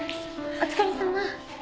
お疲れさま。